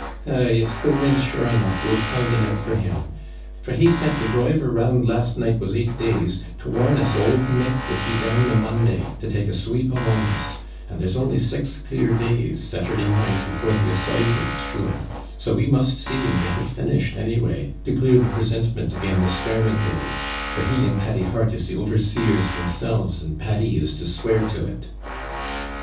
'Ay, it's the rint, sure enough, we're pounding out for him; for he sent the driver round last night was eight days, to warn us old Nick would be down a' Monday, to take a sweep among us; and there's only six clear days, Saturday night, before the assizes, sure; so we must see and get it finished anyway, to clear the presentment again' the swearing day, for he and Paddy Hart is the overseers themselves, and Paddy is to swear to it.'